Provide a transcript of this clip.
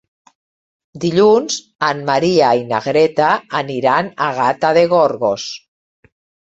Dilluns en Maria i na Greta aniran a Gata de Gorgos.